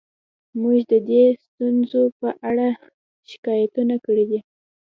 موږ د دې ستونزو په اړه شکایتونه کړي دي